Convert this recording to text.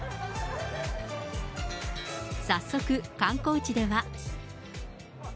早速、観光地では。